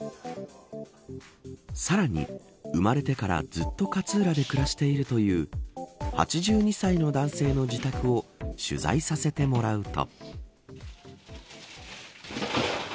さらに、生まれてからずっと勝浦で暮らしているという８２歳の男性の自宅を取材させてもらうと。